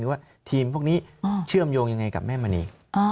ว่าทีมพวกนี้เชื่อมโยงยังไงกับแม่มณี